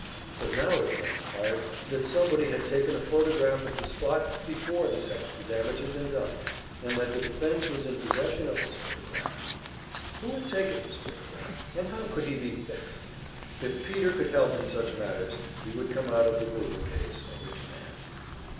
But now it transpired that somebody had taken a photograph of the spot before this extra damage had been done, and that the defense was in possession of this photograph. Who had taken this photograph, and how could he be "fixed"? If Peter could help in such matters, he would come out of the Goober case a rich man.